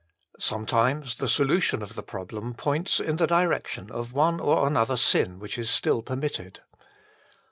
Sometimes the solution of the problem points in the direction of one or another sin which is still permitted.